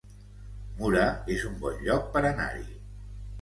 Mura es un bon lloc per anar-hi